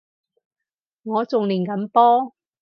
我仲練緊波